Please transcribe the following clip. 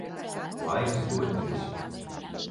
Laiks doties.